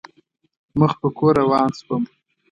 مخ په کور روان شوم.